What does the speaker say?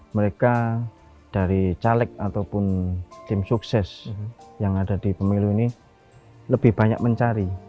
mereka dari caleg ataupun tim sukses yang ada di pemilu ini lebih banyak mencari